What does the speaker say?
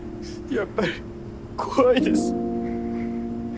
やっぱり怖いです。